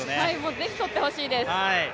ぜひ取ってほしいです。